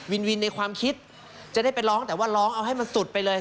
วินวินในความคิดจะได้ไปร้องแต่ว่าร้องเอาให้มันสุดไปเลย